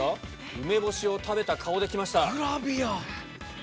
梅干しを食べた顔で来ました。